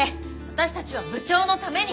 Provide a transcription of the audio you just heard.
私たちは部長のために。